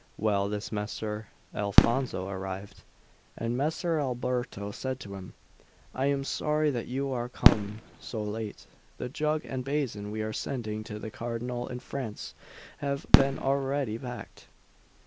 Well, this Messer Alonso arrived, and Messer Alberto said to him: "I am sorry that you are come so late; the jug and basin we are sending to the Cardinal in France have been already packed."